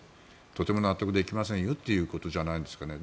とても納得できませんよということじゃないですかね。